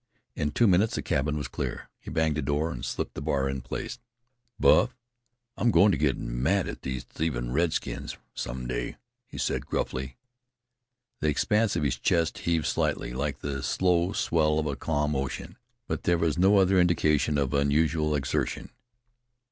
In two minutes the cabin was clear. He banged the door and slipped the bar in place. "Buff, I'm goin' to get mad at these thievin' red, skins some day," he said gruffly. The expanse of his chest heaved slightly, like the slow swell of a calm ocean, but there was no other indication of unusual exertion.